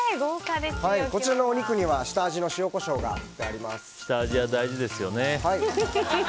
こちらのお肉には下味の塩、コショウが下味は大事ですよね。